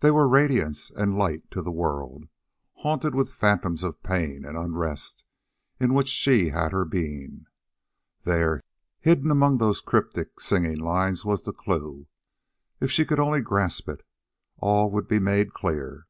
They were radiance and light to the world, haunted with phantoms of pain and unrest, in which she had her being. There, hidden among those cryptic singing lines, was the clue. If she could only grasp it, all would be made clear.